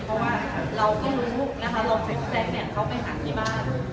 เพราะว่าเราก็รู้นะคะเราใช้สแตนเนี่ยเขาไปหาที่บ้าน